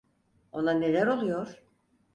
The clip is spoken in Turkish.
Ona neler oluyor?